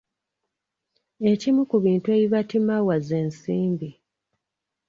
Ekimu ku bintu ebibatimawa ze nsimbi.